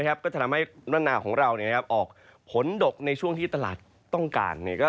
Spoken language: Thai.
ก็จะทำให้รัฐนาวของเราออกผลดกในช่วงที่ตลาดต้องการ